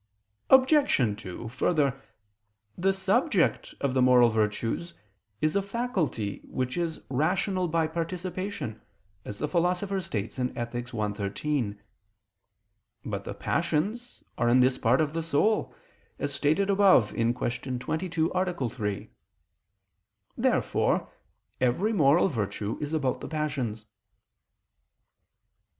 Obj. 2: Further, the subject of the moral virtues is a faculty which is rational by participation, as the Philosopher states (Ethic. i, 13). But the passions are in this part of the soul, as stated above (Q. 22, A. 3). Therefore every moral virtue is about the passions.